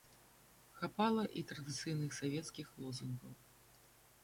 Хапала і традыцыйных савецкіх лозунгаў.